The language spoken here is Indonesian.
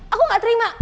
aku enggak terima